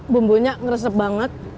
bumbunya ngeresep banget